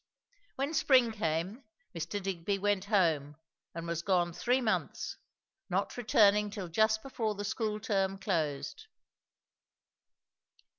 When spring came, Mr. Digby went home, and was gone three months; not returning till just before the school term closed.